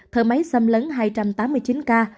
thở máy xâm lấn hai trăm tám mươi chín ca